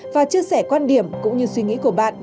và chia sẻ quan điểm cũng như suy nghĩ của bạn